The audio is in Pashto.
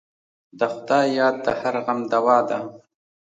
د خدای یاد د هر غم دوا ده.